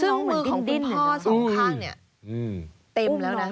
ซึ่งมือของคุณพ่อสองข้างเนี่ยเต็มแล้วนะ